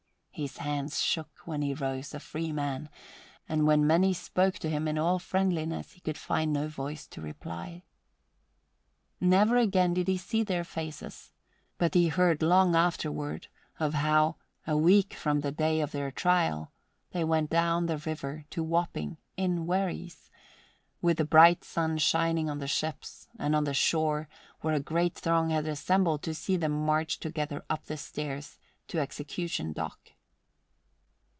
His hands shook when he rose a free man, and when many spoke to him in all friendliness he could find no voice to reply. Never again did he see their faces, but he heard long afterward of how, a week from the day of their trial, they went down the river to Wapping in wherries, with the bright sun shining on the ships and on the shore where a great throng had assembled to see them march together up the stairs to Execution Dock.